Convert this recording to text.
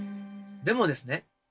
でもですね